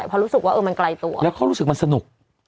เพราะรู้สึกว่าเออมันไกลตัวแล้วเขารู้สึกมันสนุก